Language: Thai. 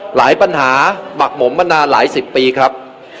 หลายปัญหาหมักหมมมานานหลายสิบปีครับ